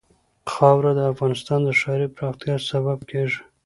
خاوره د افغانستان د ښاري پراختیا سبب کېږي.